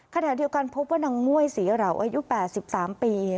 ขณะเดียวกันพบว่านางม่วยศรีเหล่าอายุ๘๓ปี